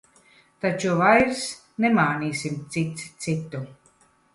Taču vairs nemānīsim cits citu.